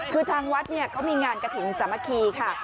คือทางวัดเขามีงานกระถิ่นสามัคคีค่ะ